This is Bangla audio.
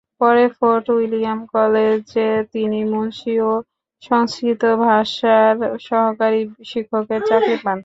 পরে ফোর্ট উইলিয়াম কলেজে তিনি মুন্সি ও সংস্কৃত ভাষার সহকারী শিক্ষকের চাকরি পান।